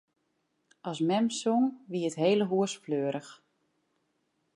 As mem song, wie it hiele hûs fleurich.